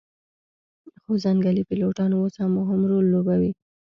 خو ځنګلي پیلوټان اوس هم مهم رول لوبوي